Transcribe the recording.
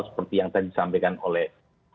seperti yang tadi disampaikan oleh